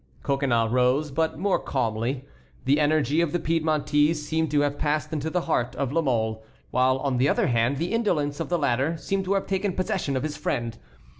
Coconnas rose, but more calmly. The energy of the Piedmontese seemed to have passed into the heart of La Mole, while on the other hand the indolence of the latter seemed to have taken possession of his friend.